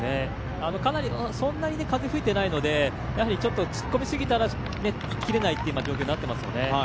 そんなに風吹いていないのでちょっと突っ込みすぎたら行ききれないという状況になっていますよね。